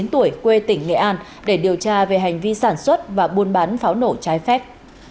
bốn mươi tuổi quê tỉnh nghệ an để điều tra về hành vi sản xuất và buôn bán pháo nổ trái phép